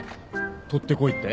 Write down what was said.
取ってこいって？